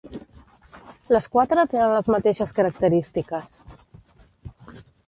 Les quatre tenen les mateixes característiques.